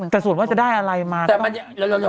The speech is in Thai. แต่ส่วนว่าจะได้อะไรมา